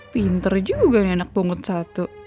pinter juga nih anak pungut satu